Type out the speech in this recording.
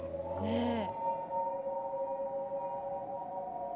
ねえ。